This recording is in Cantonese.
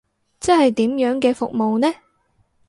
即係點樣嘅服務呢？